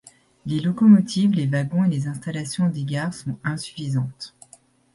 Les locomotives, les wagons et les installations des gares sont insuffisantes.